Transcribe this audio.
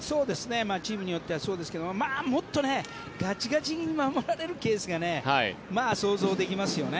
チームによってはそうですけどもっとガチガチに守られるケースが想像できますよね。